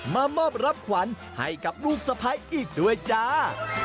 มามอบรับขวัญให้กับลูกสะพ้ายอีกด้วยจ้า